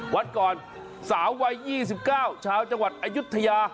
วันก่อนสาววัย๒๙ชาวจังหวัดอายุทยา